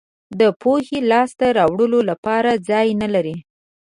د پوهې لاسته راوړلو لپاره ځای نه لرئ.